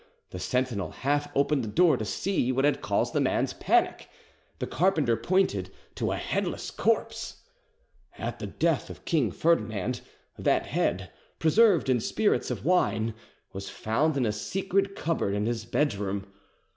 The sentinel half opened the door to see what had caused the man's panic. The carpenter pointed to a headless corpse! At the death of King Ferdinand, that, head, preserved in spirits of wine, was found in a secret cupboard in his bedroom.